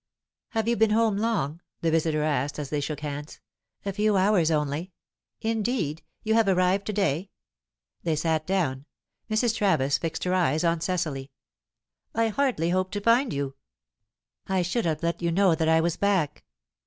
"Have you been home long?" the visitor asked, as they shook hands. "A few hours only." "Indeed? You have arrived to day?" They sat down. Mrs. Travis fixed her eyes on Cecily. "I hardly hoped to find you." "I should have let you know that I was back."